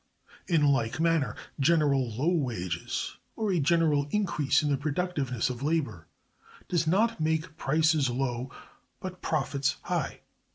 In like manner, general low wages, or a general increase in the productiveness of labor, does not make prices low, but profits high.